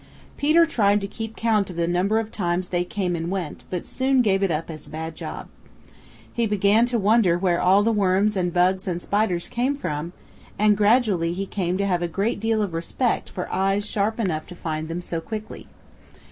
Peter tried to keep count of the number of times they came and went but soon gave it up as a bad job. He began to wonder where all the worms and bugs and spiders came from, and gradually he came to have a great deal of respect for eyes sharp enough to find them so quickly.